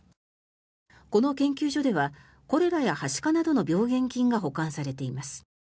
この研究所ではコレラやはしかなどの病原菌が保管されています。